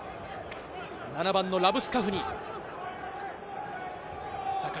７番のラブスカフニ。